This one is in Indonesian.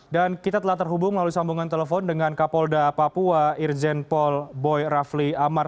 dan kita telah terhubung melalui sambungan telepon dengan kapolda papua irjen paul boy rafli amar